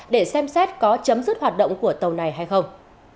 để xem xét có chấm dứt hoạt động của tàu này hay không